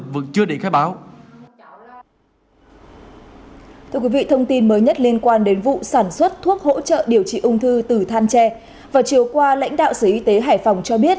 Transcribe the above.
vẫn chưa định khai báo